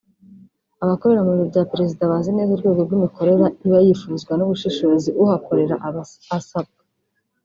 Abakora mu biro bya Perezida bazi neza urwego rw’imikorere iba yifuzwa n’ubushishozi uhakorera aba asabwa